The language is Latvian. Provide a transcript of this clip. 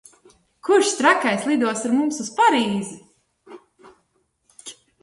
Kurš trakais lidos ar mums uz Parīzi?